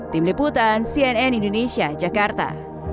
tim liputan cnn indonesia jakarta